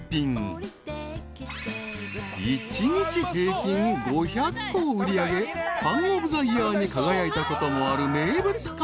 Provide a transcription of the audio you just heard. ［一日平均５００個を売り上げパン・オブ・ザ・イヤーに輝いたこともある名物カレーパン］